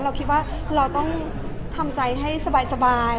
เราคิดว่าเราต้องทำใจให้สบาย